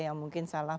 yang mungkin salah